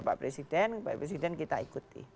pak presiden pak presiden kita ikuti